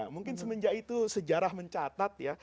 mungkin semenjak itu sejarah mencatat ya